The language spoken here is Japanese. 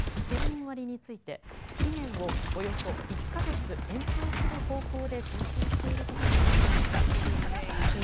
県民割について、期限をおよそ１か月延長する方向で調整していることがわかりました。